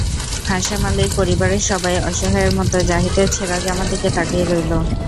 হাশেম আলীর পরিবারের সবাই অসহায়ের মতো জাহিদের ছেঁড়া জামার দিকে তাকিয়ে রইল।